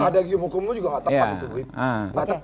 ada hukum hukumnya juga nggak tepat